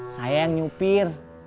saya yang nyupir